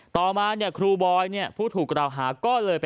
ต่อมาเนี่ยครูบ๊อยเนี่ยผู้ถูกกระดาษหาก็เลย